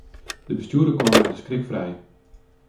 De bestjoerder kaam mei de skrik frij.